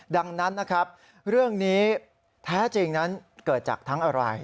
ดังนั้นนะครับเรื่องนี้แท้จริงนั้นเกิดจากทั้งอะไร